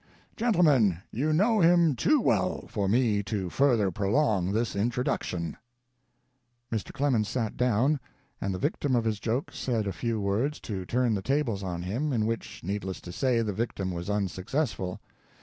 Gentlemen, you know him too well for me to further prolong this introduction." Mr. Clemens sat down, and the victim of his joke said a few words to turn the tables on him, in which, needless to say, the victim was unsuccessful.